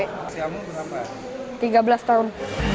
ketiga belas tahun